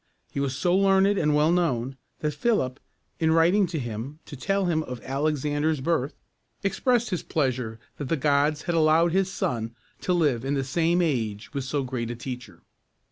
He was so learned and well known, that Philip, in writing to him to tell him of Alexander's birth, expressed his pleasure that the gods had allowed his son to live in the same age with so great a teacher.